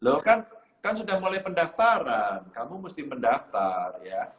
loh kan kan sudah mulai pendaftaran kamu mesti mendaftar ya